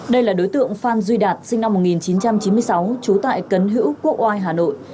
đây là đối tượng phan duy đạt sinh năm một nghìn chín trăm chín mươi sáu trú tại cấn hữu quốc oai hà nội